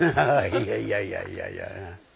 いやいやいやいや。